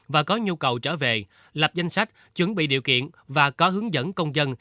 và có nhu cầu trở về lập danh sách chuẩn bị điều kiện và có hướng dẫn công dân